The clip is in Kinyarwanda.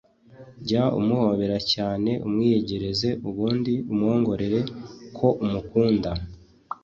jya umuhobera cyane umwiyegereze, ubundi umwongorere ko umukunda.